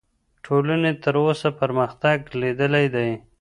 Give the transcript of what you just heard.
ټولنې تر اوسه پرمختګ لیدلی دی.